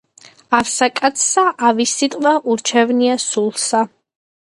ავსა კაცსა ავი სიტყვა ურჩევნია სულსა